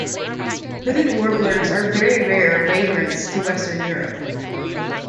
Hooded warblers are very rare vagrants to western Europe.